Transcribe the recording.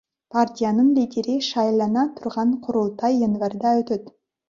Партиянын лидери шайлана турган курултай январда өтөт.